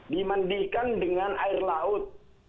dimandikan dengan air laut